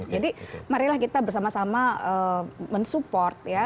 jadi marilah kita bersama sama mensupport ya